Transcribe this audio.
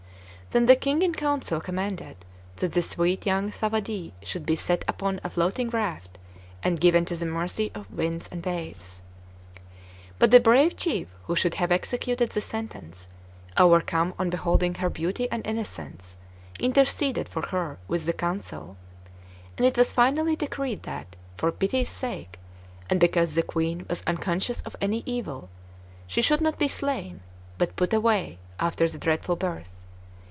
Then the King in council commanded that the sweet young Thawadee should be set upon a floating raft, and given to the mercy of winds and waves. But the brave chief who should have executed the sentence, overcome on beholding her beauty and innocence, interceded for her with the council; and it was finally decreed that, for pity's sake, and because the Queen was unconscious of any evil, she should not be slain, but "put away," after the dreadful birth.